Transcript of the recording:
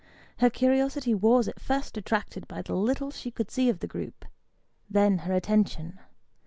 Her curiosity was at first attracted by the little she could see of the group ; then her attention.